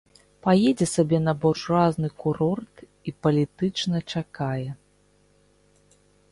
Паедзе сабе на буржуазны курорт і палітычна чакае.